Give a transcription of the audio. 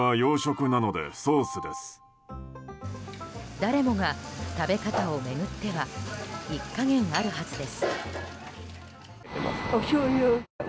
誰もが食べ方を巡っては一家言あるはずです。